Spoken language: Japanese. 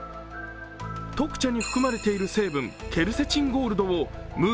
特茶に含まれている成分、ケルセチンゴールドを「ムー」